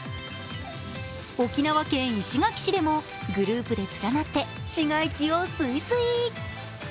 沖縄県石垣市でもグループでつらなって市街地をすいすい。